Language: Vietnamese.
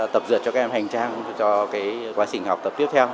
tập dược cho các em hành trang cho quá trình học tập